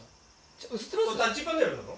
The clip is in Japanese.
タッチパネルなの？